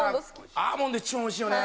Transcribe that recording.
アーモンド一番美味しいよね。